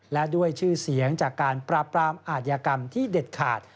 และด้วยชื่อเสียงจากการปราบปรามอาธิกรรมที่เด็ดขาด